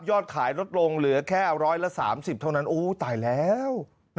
ยอดขายลดลงเหลือแค่ร้อยละ๓๐เท่านั้นโอ้ตายแล้ว